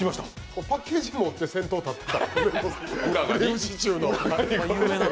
パッケージ持って先頭に立ってた。